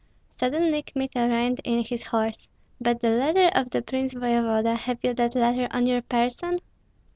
Suddenly Kmita reined in his horse: "But the letter of the prince voevoda, have you that letter on your person?"